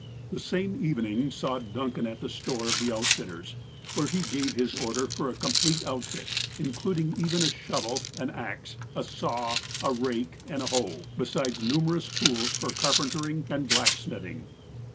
The same evening saw Duncan at the store of the out fitters, where he gave his order for a complete outfit, in cluding even a shovel, an axe, a saw, a rake and a hoe, besides numerous tools for carpentering and blacksmith ing.